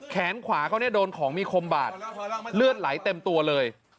แขนขวาเขาเนี่ยโดนของมีคมบาดเลือดไหลเต็มตัวเลย